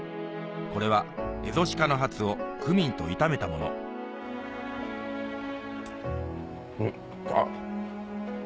これはエゾ鹿のハツをクミンと炒めたものんっあっ。